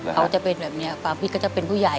เขาจะเป็นแบบนี้ความคิดก็จะเป็นผู้ใหญ่